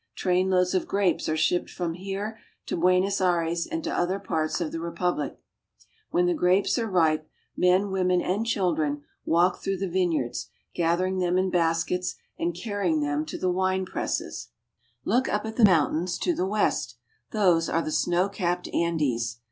Trainloads of grapes are shipped from here to Buenos Aires and to other parts of the repubhc. When the grapes are ripe, men, women, and children walk through the vineyards, gathering them in baskets and carrying them to the wine presses. CARP. s. AM.— 12 1 84 ARGENTINA. Look up at the mountains to the west. Those are the snowcapped Andes.